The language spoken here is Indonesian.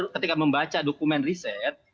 ketika membaca dokumen riset